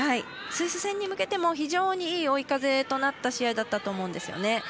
スイス戦に向けても非常にいい追い風となった試合だったと思うんですよね。